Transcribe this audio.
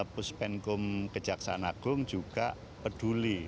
puspenkum kejaksaan agung juga peduli